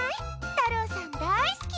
たろうさんだいすき！